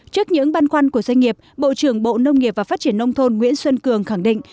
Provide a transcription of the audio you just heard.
trước những băn khoăn của doanh nghiệp bộ trưởng bộ nông nghiệp và phát triển nông thôn nguyễn xuân cường khẳng định